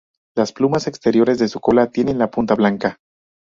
Las plumas exteriores de su cola tienen la punta blanca.